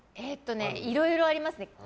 いろいろありますね。